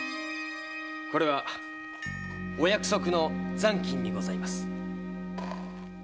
これはお約束の残金にございます。